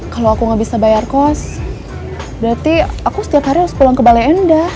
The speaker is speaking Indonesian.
kalau aku nggak bisa bayar kos berarti aku setiap hari harus pulang ke balai endah